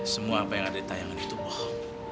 semua apa yang ada di tayangan itu bohong